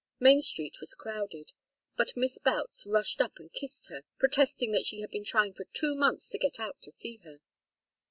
Main Street was crowded, but Miss Boutts rushed up and kissed her, protesting that she had been trying for two months to get out to see her.